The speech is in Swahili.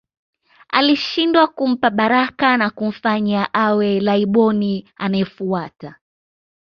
Alishindwa kumpa baraka na kumfanya awe Laiboni anayefuata